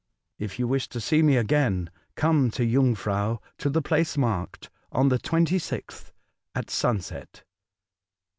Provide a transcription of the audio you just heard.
If you wish to see me again, come to Jungfrau, to the place marked, on the 26th, at sunset.